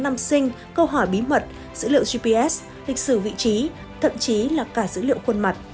năm sinh câu hỏi bí mật dữ liệu gps lịch sử vị trí thậm chí là cả dữ liệu khuôn mặt